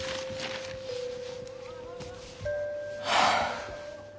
はあ。